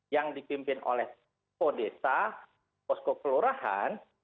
yang dipimpin oleh poskodesa poskokeluarahan